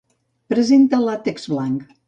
Presenta làtex blanc.